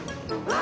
あ。